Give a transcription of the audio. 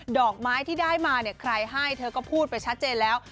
ดอกไม้ที่ได้มาเนี่ยใครให้เธอก็พูดไปชัดเจนแล้ว